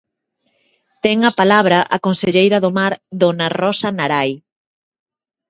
Ten a palabra a conselleira do Mar, dona Rosa Narai.